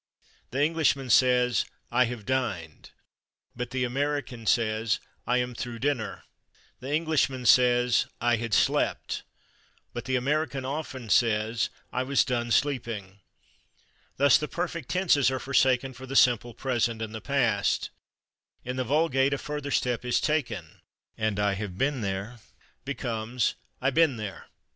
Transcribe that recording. The Englishman says "I /have/ dined," but the American says "I /am through/ dinner"; the Englishman says "I /had/ slept," but the American often says "I /was done/ sleeping." Thus the perfect tenses are forsaken for the simple present and the past. In the vulgate a further step is taken, and "I /have been/ there" becomes "I /been/ there."